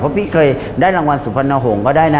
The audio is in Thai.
เพราะพี่เคยได้รางวัลสุพรรณหงษ์ก็ได้นะ